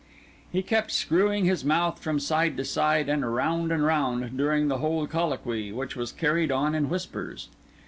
He kept screwing his mouth from side to side and round and round during the whole colloquy, which was carried on in whispers.